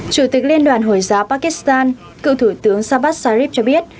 chủ tịch liên đoàn hồi giáo pakistan cựu thủ tướng sabat sharif cho biết